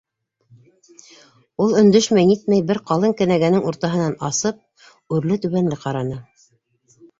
Ул өндәшмәй-нитмәй бер ҡалын кенәгәнең уртаһынан асып, үрле-түбәнле ҡараны.